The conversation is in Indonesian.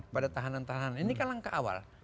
pada tahanan tahanan ini kan langkah awal